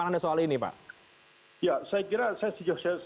termasuk soal kemudian rencana untuk modifikasi cuaca apa tadi